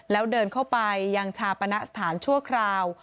แล้วเดินเข้าไปยังชาปณะสถานชั่วคราว